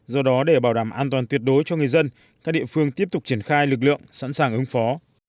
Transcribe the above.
do đó để bảo đảm an toàn tuyệt đối cho người dân các địa phương tiếp tục triển khai lực lượng sẵn sàng ứng phó